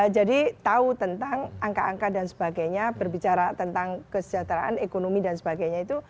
jadi tahu tentang angka angka dan sebagainya berbicara tentang kesejahteraan ekonomi dan sebagainya itu